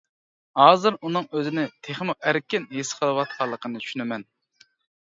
ھازىر ئۇنىڭ ئۆزىنى تېخىمۇ ئەركىن ھېس قىلىۋاتقانلىقىنى چۈشىنىمەن.